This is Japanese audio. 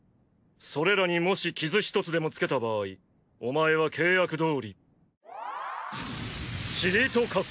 それらにもし傷一つでもつけた場合お前は契約どおり塵と化す。